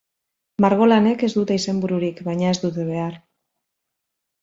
Margolanek ez dute izenbururik, baina ez dute behar.